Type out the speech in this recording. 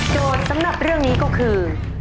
สำหรับเรื่องนี้ก็คือ